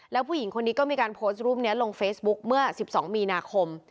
แล้วผู้หญิงคนนี้ก็มีการโพสต์รูปนี้ลงเฟซบุ๊กเมื่อ๑๒มีนาคม